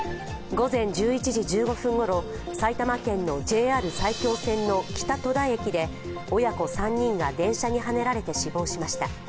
午前１１時１５分ごろ、埼玉県のＪＲ埼京線の北戸田駅で親子３人が電車にはねられて死亡しました。